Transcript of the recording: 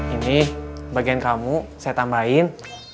ini bagian kamu saya tambahin